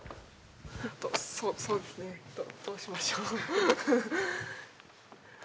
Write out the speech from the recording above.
そうですねどうしましょう。